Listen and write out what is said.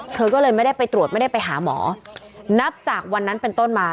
เธอก็เลยไม่ได้ไปตรวจไม่ได้ไปหาหมอนับจากวันนั้นเป็นต้นมา